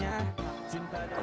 yang mereka sebut dengan distance